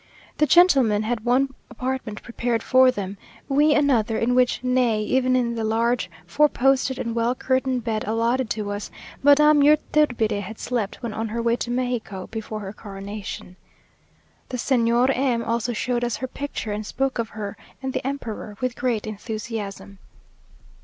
The gentlemen had one apartment prepared for them we another, in which, nay, even in the large four posted and well curtained bed allotted to us, Madame Yturbide had slept when on her way to Mexico before her coronation. The Señora M also showed us her picture, and spoke of her and the emperor with great enthusiasm.